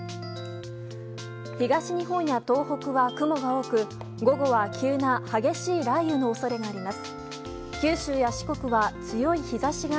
東日本や東北は雲が多く午後は急な激しい雷雨の恐れがあります。